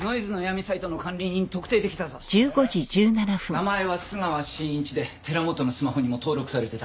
名前は須川信一で寺本のスマホにも登録されてた。